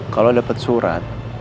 kalau dapat surat